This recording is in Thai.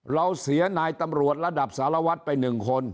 เราเสียนายตำรวจระดับสารวัตรไป๑คน